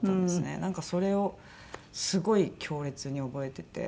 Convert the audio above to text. なんかそれをすごい強烈に覚えてて。